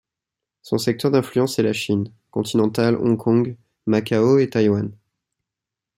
Son secteur d'influence est la Chine: continentale, Hong-Kong, Macao et Taïwan.